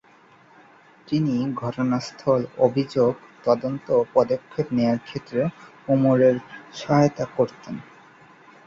তিনি ঘটনাস্থল, অভিযোগ তদন্ত ও পদক্ষেপ নেওয়ার ক্ষেত্রে উমরের সহায়তা করতেন।